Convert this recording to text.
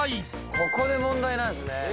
ここで問題なんですねえ